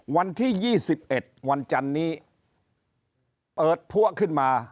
วันที่๒๑วันจันนี้เปิดพัวขึ้นมา